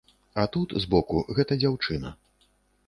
А тут, збоку, гэта дзяўчына.